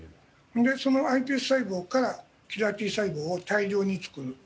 そのｉＰＳ細胞からキラーＴ細胞を大量に作る。